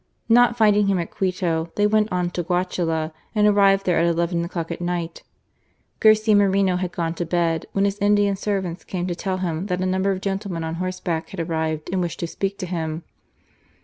Not finding him at Quito, they went on to Guachala, and arrived there at eleven o'clock at night. Garcia Moreno had gone to bed, when his Indian servants came to tell him that a number of gentlemen on horseback had arrived and wished to speak to him.